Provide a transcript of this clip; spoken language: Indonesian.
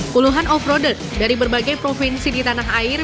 puluhan off roader dari berbagai provinsi di tanah air